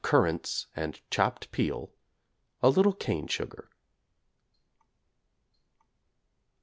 currants and chopped peel, a little cane sugar.